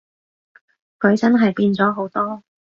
佢真係變咗好多